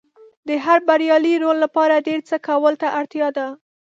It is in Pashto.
د هر بریالي رول لپاره ډېر څه کولو ته اړتیا ده.